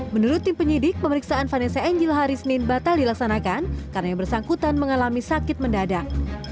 menurut tim penyidik pemeriksaan vanessa angel hari senin batal dilaksanakan karena yang bersangkutan mengalami sakit mendadak